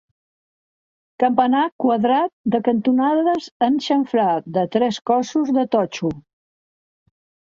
Campanar quadrat de cantonades en xamfrà de tres cossos de totxo.